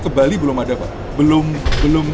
ke bali belum ada pak belum